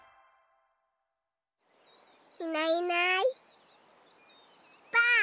いないいないばあっ！